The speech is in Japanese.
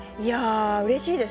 うれしい。